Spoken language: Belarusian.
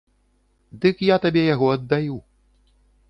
Дык я табе яго аддаю.